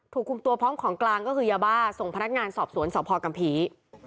ถูกคุมตัวพร้อมของกลางก็คือยาบ้าส่งพนักงานสอบสวนสพกัมภีร์